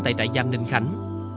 tại trại giam ninh khánh